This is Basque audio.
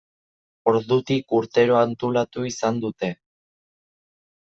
Ordutik urtero antolatu izan dute.